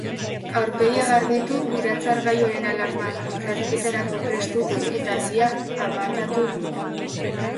Aurpegia garbitu, iratzargailuaren alarma zazpietarako prest utzi eta argia amatatu du.